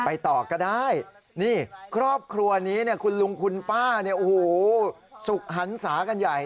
ไปต่อก็ได้นี่ครอบครัวนี้คุณลุงคุณป้าสุขหันศากันใหญ่